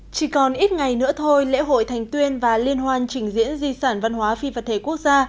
chỉ còn ít ngày nữa thôi lễ hội thành tuyên và liên hoan trình diễn di sản văn hóa phi vật thể quốc gia